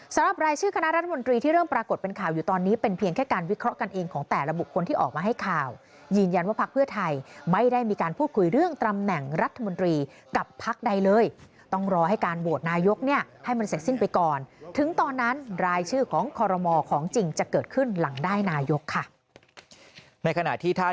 สำหรับรายชื่อคณะรัฐมนตรีที่เริ่มปรากฏเป็นข่าวอยู่ตอนนี้เป็นเพียงแค่การวิเคราะห์กันเองของแต่ละบุคคลที่ออกมาให้ข่าวยืนยันว่าพักเพื่อไทยไม่ได้มีการพูดคุยเรื่องตำแหน่งรัฐมนตรีกับพักใดเลยต้องรอให้การโหวตนายกเนี่ยให้มันเสร็จสิ้นไปก่อนถึงตอนนั้นรายชื่อของคอรมอของจริงจะเกิดขึ้นหลังได้นายกค่ะ